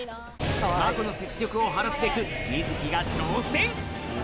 まこの雪辱を晴らすべくみづきが挑戦！